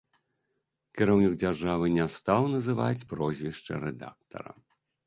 Кіраўнік дзяржавы не стаў называць прозвішча рэдактара.